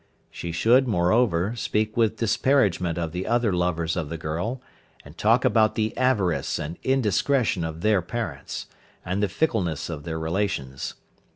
She should, moreover, speak with disparagement of the other lovers of the girl, and talk about the avarice and indiscretion of their parents, and the fickleness of their relations.